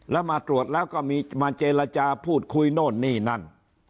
แล้วมาตรวจแล้วก็มีมาเจรจาพูดคุยโน่นนี่นั่น